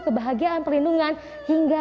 kebahagiaan perlindungan hingga